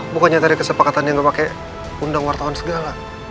bukannya tadi kesepakatan yang memakai undang wartawan segala